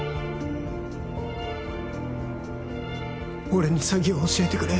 俺に詐欺を教えてくれ